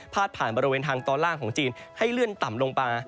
ผ่านบริเวณทางตอนล่างของจีนให้เลื่อนต่ำลงมา